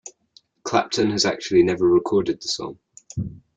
Clapton has actually never recorded the song.